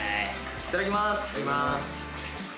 いただきます。